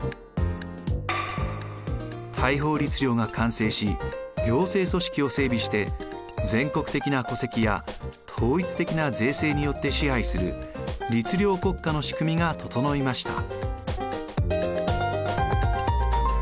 大宝律令が完成し行政組織を整備して全国的な戸籍や統一的な税制によって支配する律令国家のしくみが整いました。